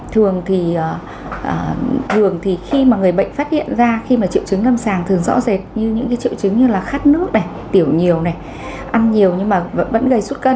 thường thì khi mà người bệnh phát hiện ra khi mà triệu chứng lâm xào thường rõ rệt như những triệu chứng như là khát nước tiểu nhiều ăn nhiều nhưng mà vẫn gây sút cân